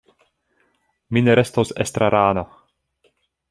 Mi ne restos estrarano.